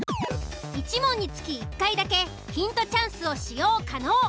１問につき１回だけヒントチャンスを使用可能。